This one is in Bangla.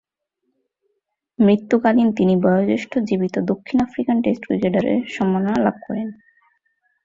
মৃত্যুকালীন তিনি বয়োজ্যেষ্ঠ জীবিত দক্ষিণ আফ্রিকান টেস্ট ক্রিকেটারের সম্মাননা লাভ করেন।